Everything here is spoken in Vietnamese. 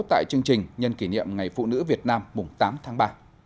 tại chương trình nhân kỷ niệm ngày phụ nữ việt nam tám tháng ba